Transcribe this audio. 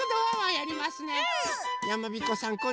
やまびこさん